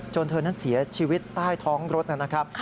เธอนั้นเสียชีวิตใต้ท้องรถนะครับ